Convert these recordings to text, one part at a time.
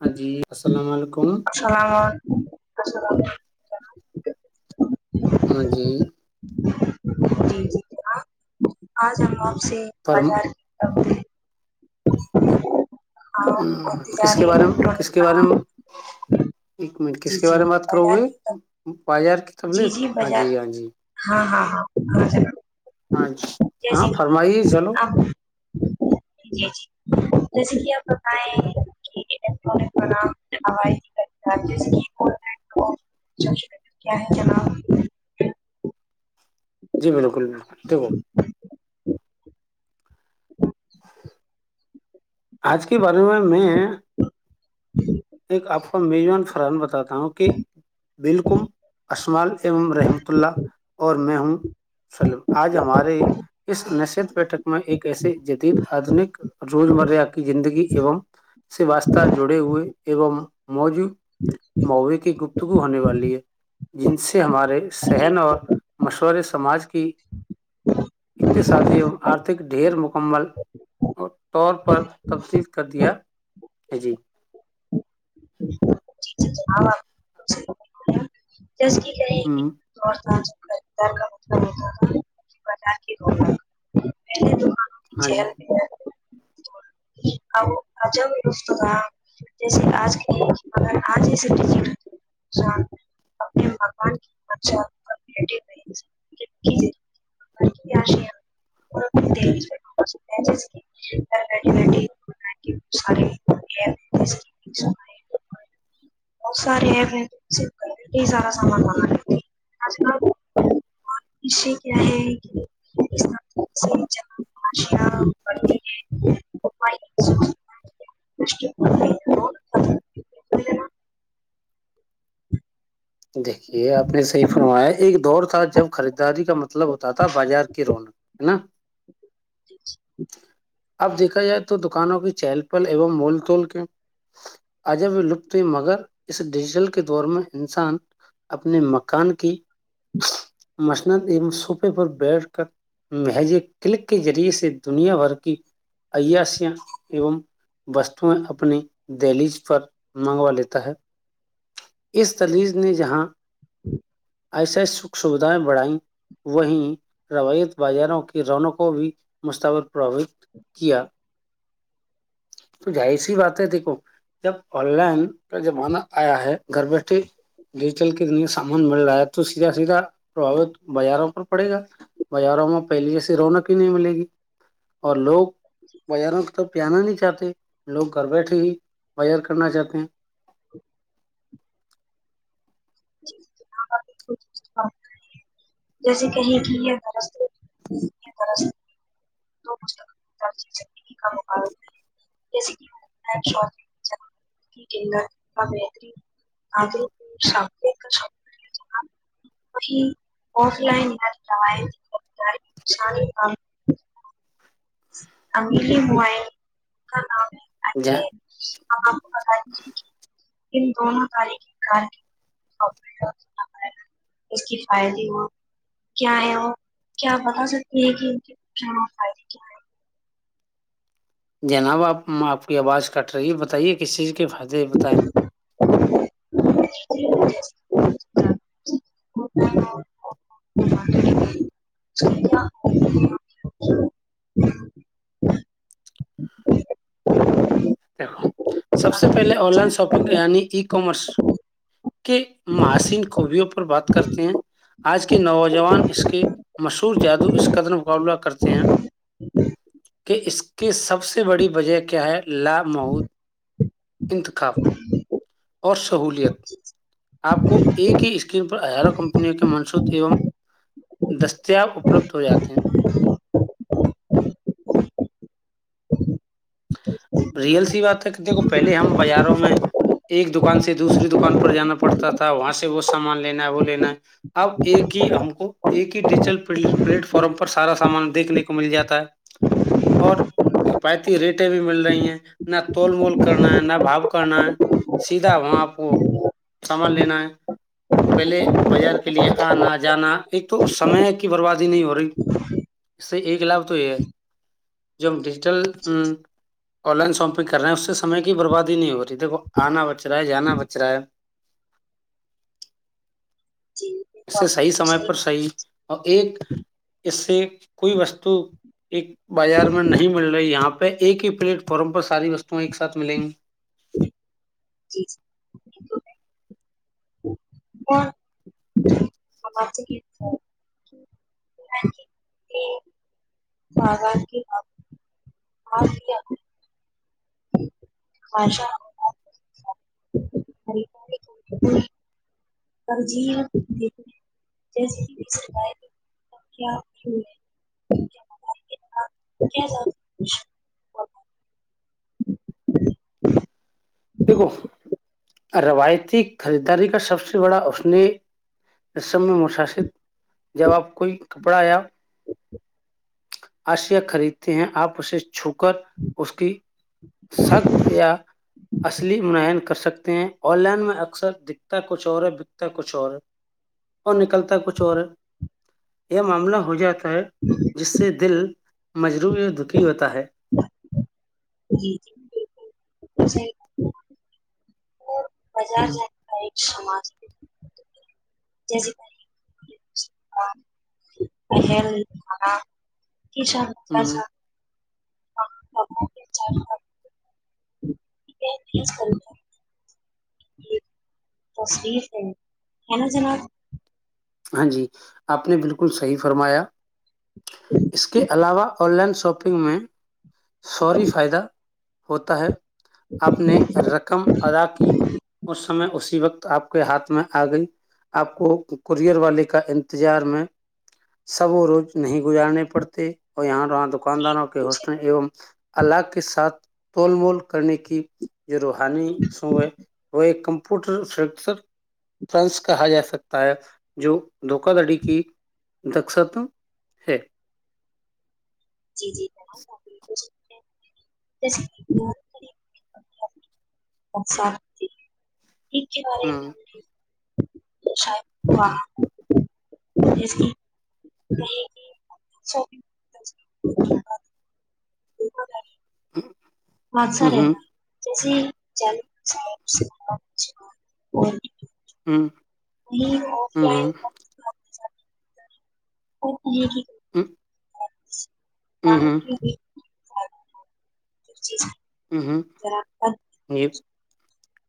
ہاں جی السلام علیکم اللامل [unintelligible] [unintelligible] ہاں جی [unintelligible] جی جی آ جؤا آپ [unintelligible] سے فرم مزار [unintelligible] اور ہ کس تجاری کے بارے میں کس الیکٹرانک کے بارے میں کا ایک منٹ جی کس کے جی بارے میں بات کرو بازار گے کی بجار [unintelligible] تبل جی ہاں بازار جی ہاں جی [unintelligible] ہاں ہاں ہاںاں [unintelligible] ہاں جی ہاں فرمائیے چلو [unintelligible] آپ جی جی جیسے کہ آپ بتائیں کہ الٹرک جیسے [unintelligible] کیا کیا [unintelligible] جی بالکل بک ٹھیک ب [unintelligible] اچ [unintelligible] آج کے بارے میں میں [unintelligible] ایک آپ [unintelligible] میزمان فران باتا [unintelligible] وں کہ بالکم اسمال امم رحمت اللہ اور میں ہوں [unintelligible] سلملم آج ہمارے اس نشچت بیٹک میں ایک ایسی جدید آدنک روزمرہ کا زندگی ای سے واسہ جڑے ہوئے ایوم موج موے کی گپتگو ہونے والی ہے جن سے ہمارے جی سہن اور مشورے سماج کی اقتصادی آرتھک ڈھیر مکمل طور پر [unintelligible] تبدل کر دیا ہے جی [unintelligible] [inaudible] جسکی کہ ہوں، تھاج بتا کے رے تو ہاں جی [inaudible] ا عب لفگ جیسے آج ا آج جسے ڈج اپنے مکان [inaudible] بہت سارے ہیں ہی سارا سامان منگا لی آج کلے کیا ہے کہ طرح سے جب اشیاء بڑھتی ہے [inaudible] دیکھیے آپ نے صحیح فرمایا ایک دور تھا جب خریداری کا مطلب ہوتا تھا بازار کی رونق ہے نا اب دیکھا جائے تو دکانوں کی چہل پل ایوم مول توول کے اجب لپت ہوئی مگر اس ڈیجیٹل کے دور میں انسان اپنے مکان کی مسنت سوفے پر بیٹھ کر محجے کلک کے ذریعے سے دنیا بھر کی ایاشیا ایوم وستویں اپنی دہلیج پر منگوا لیتا ہے اس دلیج نے جہاں ایسیا سکھ سوھیں بڑھائی وہیں روایت بازاروں کے رونوں کو بھی مستل پربوت کیا تو جاہ سی بات ہے دیکھو جب آن لائن کا زمانہ آیا ہے گھر بیٹھے ڈیجیٹل کےت سامان مل رہا ہے تو سیدھا سیدھا پرباوت بازاروں پر پڑے گا بازاروں میں پہلی جیسی رونق ہی نہیں ملے گی اور لوگ بازاروں کو تو پانا نہیں چاہتے لوگ گھر بیٹھے ہی بازار کرنا چاہتے ہیں ج جیسے کہے کہ یہ درر کا ماب جیسےائ رایتیاری الی موائل کا نام [inaudible] [inaudible] [inaudible] ہیں ان دونوں تاریخی کارکد اس کے فائدے ہو کیا ہے وہ کیاپ بتا سکتے ہیں کہ ان کے کیا ہو فائدے [inaudible] جناب آپ آپ کی آواز کٹ رہی ہے بتائیے کس چیز کی کے فائدے بتائ [inaudible] دیکھو سب سے پہلے آن لائن شاپنگ یعنی ای کامرس کے محشین خوبیوں پر بات کرتے ہیں آج کے نوجان نوجوان اس کے مشہور جادو اس قدر مقابلہ کرتے ہیں کہ اس کے سب سے بڑی وجہ کیا ہے لامود انتخاب اور سہولت آپ کو ایک ہی اسکرین پر ہزاروں کمپنیوں کے منسوط ایوم دستیاب اپلبدھ ہو جاتے ہیں رئل سی بات ہے کہ دیکھ پہلے ہم بازاروں میں ایک دکان سے دوسری دکان پر جانا پڑتا تھا وہاں سے وہ سامان لینا ہے وہ لینا ہے اب ایک ہی ہم کو ایک ہی ڈیجیٹل پلیٹ فارم پر سارا سامان دیکھنے کو مل جاتا ہے اور کای ریٹیں بھی مل رہی ہیں نہ توول مول کرنا ہے نہ بھاؤ کرنا ہے سیدھا وہاں آپ کو سامان لینا ہے اور پہلے بازار کے لیے آنا جانا ایک تو سمے کی بربادی نہیں ہو رہی اس سے ایک لھ تو یہ ہے جو ڈیجیٹل ا آن لائن شاپنگ کر رہے اس سے سمے کی بربادی نہیں ہو رہی دیکھو آنا بچ رہا ہے جانا بچ رہا ہے اس سے صحیح سمے پر صحی اور ایک اس سے کوئی وستو ایک بازار میں نہیں مل رہی یہاں پہ ایک ہی پلیٹ فارم پ ساری وستو ایک ساتھ ملیں گی جی اور ہم سگار کے شا [inaudible] جے کیا دیکھو روایتی خریداری کا سب سے بڑا اس نے ج س میں مشاست جب آپ کوئی کپڑا یا آشیا خریدتے ہیں آپ اس چھو کر اس کی سخت یا اصلی منعن کر سکتے ہیں آن لائن میں اکثر دکھتا کچھ اور ہے بکتا کچھ اور اور نکلتا کچھ اور ہے یہ معاملہ ہو جاتا ہے جس سے دل مجروعی اور دکھی ہوتا ہے جی جی بالکلح اور بازار ہوں نہیں اچمج جی جیلے پ [inaudible] کی ہوں سسا تصویر ہے ہے نا جناب ہاں جی آپ نے بالکل صحی فرمایا اس کے علاوہ آن لائن شاپنگ میں فوری فائدہ ہوتا ہے آپ نے رقم ادا کی اس سمے اسی وقت آپ کے ہاتھ میں آ گئی آپ کو کورئر والے کا انتظار میں سب وہ روز نہیں گزارنے پڑتے اور یہاںاں کے دکانداروں کے مجھے ہوسٹل ایوم اللاگ کے ساتھ توول مول کرنے کی جو روحانی سو ہے وہ ایک کم پٹر فرانس کہا جا سکتا ہے جو دھوکا دھڑی کی دس تو ہے جی جی۔ ٹ کیا ب رہےن ہوں ا ج کی جچ ج ہ بات س رہے چل اور ہاں آف لائن ا ج ج ہ ا ہ سب چیز ہوں ہوں یہ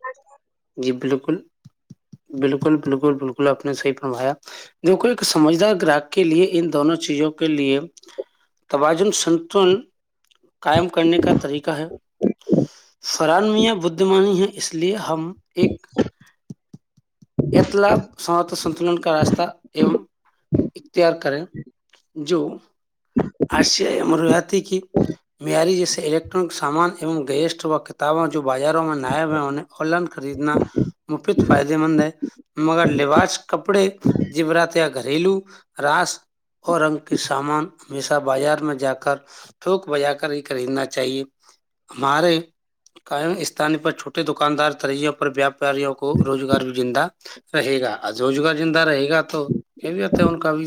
جچ بالکل بالکل بالکل بالکل آپ نے صحی فمایا دیکھو ایک سمجدار گراہک کے لیے ان دونوں چیزوں کے لیے توازن سنتن کاائم کرنے کا طریقہ ہے فران میاں بدھمانی ہے اس لیے ہم ایک اطلاق ست سنتلن کا راستہ ایوم اختیار کریں جو آشیا مرویاتی کی معیاری جیسے الیکٹرانک سامان ای گیسٹ و کتاباں جو بازاروں میں نہئے ہوئے ہویں آن لائن خریدنا مفید فائدے مند ہے مگر لیباش کپڑے جیبرات گھریلو رس اور رنگ کے سامان ہمیشہ بازار میں جا کر تھوک بجا کر ہی خریدنا چاہیے ہمارے قائم استان پر چھوٹے دکاندار طریوں پر ویاپاریوں کو روزگار بھی زندہ رہے گا روزگار زندہ رہے گا تو کیا بھی ہوتے ہے ان کا بھی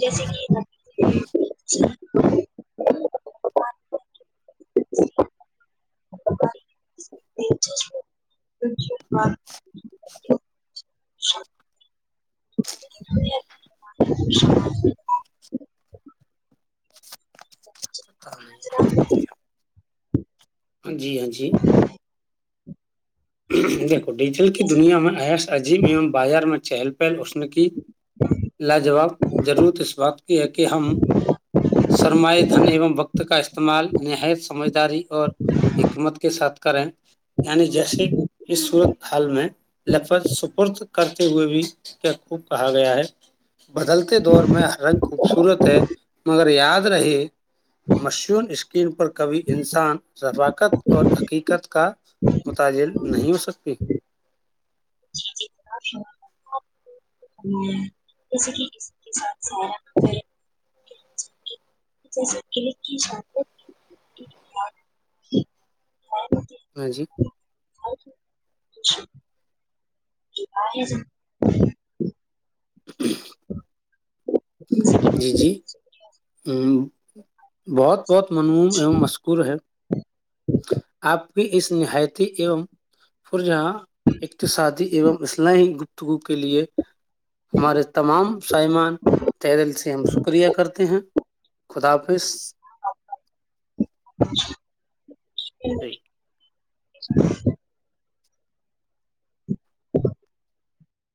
جیسے کہ ہاں نہیں ہاں جی ہاں جی دیکھو ڈیجیٹل کی جیسے دنیا میں ایس عجیب ای بازار میں چہل پہل اسنے کی لاجاب ضرورت اس بات کی ہے کہ ہم سرمائے دھن ایوم وقت کا استعمال نہایت سمجداری اور حکمت کے ساتھ کریں یعنی جیسے اس صورت حال میں لفظ سپرد کرتے ہوئے بھی کیا خوب کہا گیا ہے بدلتے دور میں ہ رنگ خوبصورت ہے مگر یاد رہے مشہون اسکرین پر کبھی انسان رفاقت اور حقیقت کا متجر نہیں ہو سکتی جیسے کہ اس کے ساتھ س ے س م جی آ ۔ جی جی ہ بہت بہت منوم ای مشکور ہیں آپ کی اس نہایتی ام پ جہاں اقتصادی ایوم اسلحی گ ٹو کے لیے ہمارے تمام سائمان سے ہم شکرییا کرتے ہیں و خدا حافظ ٹھ اچا